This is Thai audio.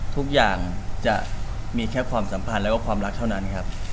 ทุกอย่างจะมีแค่ความสัมพันธ์แล้วก็ความรักเท่านั้นครับ